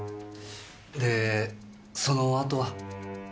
でそのあとは？